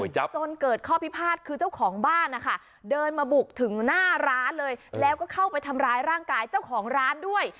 จนเกิดข้อพิพาทคือเจ้าของบ้านนะคะเดินมาบุกถึงหน้าร้านเลยแล้วก็เข้าไปทำร้ายร่างกายเจ้าของร้านด้วย